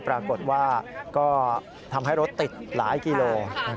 ปรากฏว่าก็ทำให้รถติดหลายกิโล